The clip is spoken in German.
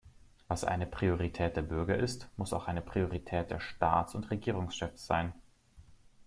Was eine Priorität der Bürger ist, muss auch eine Priorität der Staats- und Regierungschefs sein.